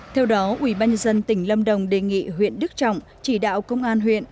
theo đó ubnd tỉnh lâm đồng đề nghị huyện đức trọng chỉ đạo công an huyện